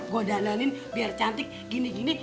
gue dananin biar cantik gini gini